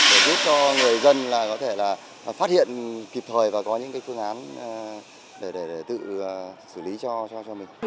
để giúp cho người dân phát hiện kịp thời và có những phương án để tự xử lý cho mình